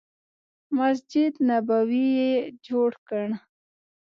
مسجد نبوي یې جوړ کړ.